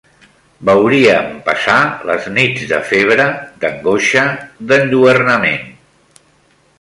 Veuríem passar les nits de febre, d'angoixa, d'enlluernament;